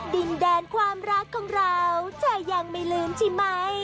ดินแดนความรักของเราจะยังไม่ลืมใช่ไหม